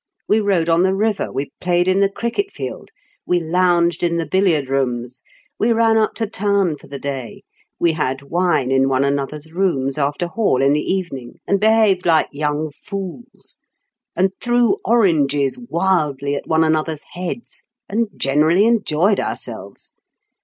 We rowed on the river, we played in the cricket field, we lounged in the billiard rooms, we ran up to town for the day, we had wine in one another's rooms after hall in the evening, and behaved like young fools, and threw oranges wildly at one another's heads, and generally enjoyed ourselves.